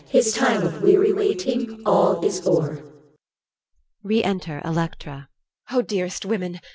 His time of weary waiting all is o'er. Re enter ELECTRA. EL. O dearest women!